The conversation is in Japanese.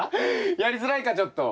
やりづらいかちょっと。